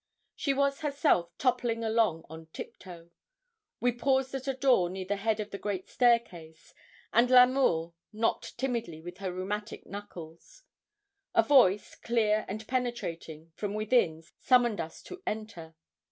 She was herself toppling along on tiptoe. We paused at a door near the head of the great staircase, and L'Amour knocked timidly with her rheumatic knuckles. A voice, clear and penetrating, from within summoned us to enter.